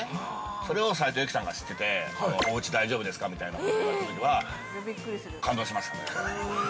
それを斉藤由貴さんが知ってて、おうち大丈夫ですかみたいなこと言われたときは感動しましたね。